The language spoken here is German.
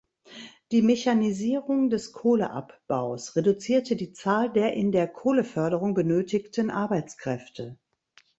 Die Mechanisierung des Kohleabbaus reduzierte die Zahl der in der Kohleförderung benötigten Arbeitskräfte.